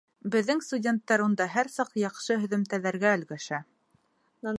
Беҙҙең студенттар унда һәр саҡ яҡшы һөҙөмтәләргә өлгәшә.